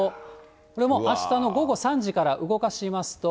これもあしたの午後３時から動かしますと。